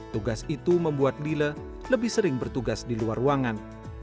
tugas itu membuat lile lebih sering bertugas di luar ruangan